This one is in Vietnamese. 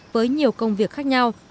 với nhiều công việc khác nhau